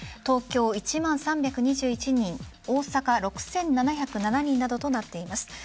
東京、１万３２１人大阪、６７０７人などとなっています。